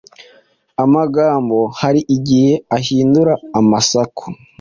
Amagambo hari igihe ahindura amasaku